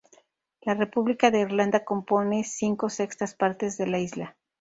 La República de Irlanda compone cinco sextas partes de la isla.